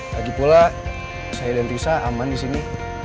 lagi pula saya dan risa aman di sini